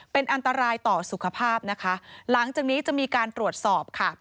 เป็นอันตรายต่อสุขภาพนะคะหลังจากนี้จะมีการตรวจสอบค่ะ